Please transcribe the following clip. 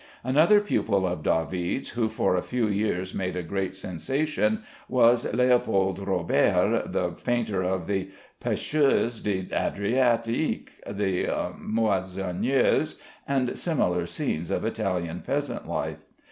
Another pupil of David's who for a few years made a great sensation was Leopold Robert, the painter of "The Pêcheurs de l'Adriatique," "The Moissonneurs," and similar scenes of Italian peasant life.